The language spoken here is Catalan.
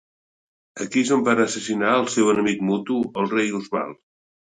Aquí és on van assassinar el seu enemic mutu, el rei Oswald.